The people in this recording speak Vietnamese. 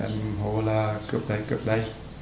em hô là cực đây cực đây